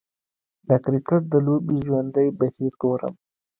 د کریکټ د لوبې ژوندی بهیر ګورم